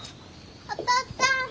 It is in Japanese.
お父っつぁん！